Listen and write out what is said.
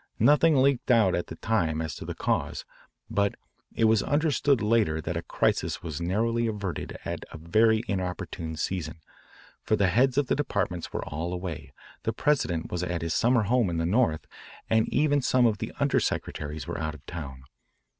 Nothing leaked out at the time as to the cause, but it was understood later that a crisis was narrowly averted at a very inopportune season, for the heads of the departments were all away, the President was at his summer home in the North, and even some of the under secretaries were out of town.